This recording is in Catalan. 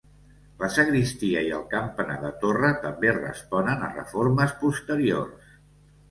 La sagristia i el campanar de torre també responen a reformes posteriors.